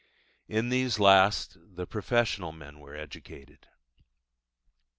In these last the professional men were educated.